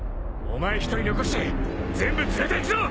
お前一人残して全部連れていくぞ！